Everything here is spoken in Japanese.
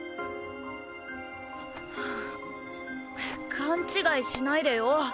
勘違いしないでよ。